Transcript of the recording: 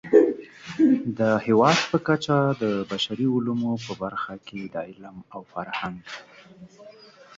د هېواد په کچه د بشري علومو په برخه کې د علم او فرهنګ